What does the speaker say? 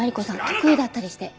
得意だったりして。